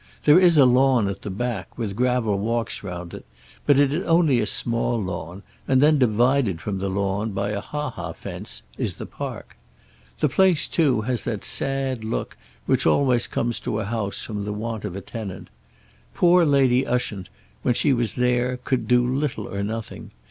There is a lawn, at the back, with gravel walks round it; but it is only a small lawn; and then divided from the lawn by a ha ha fence, is the park. The place, too, has that sad look which always comes to a house from the want of a tenant. Poor Lady Ushant, when she was there, could do little or nothing.